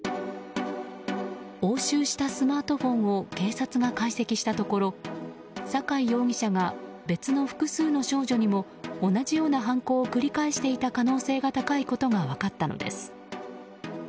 押収したスマートフォンを警察が解析したところ酒井容疑者が別の複数の少女にも同じような犯行を繰り返していた可能性が高いことが分かったのです。